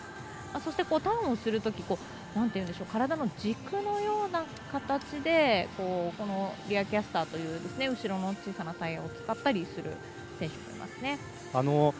そして、ターンをするとき体の軸のような形でこのリアキャスターという後ろの小さなタイヤを使う選手もいますね。